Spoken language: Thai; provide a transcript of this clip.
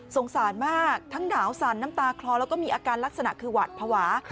สารมากทั้งหนาวสั่นน้ำตาคลอแล้วก็มีอาการลักษณะคือหวาดภาวะ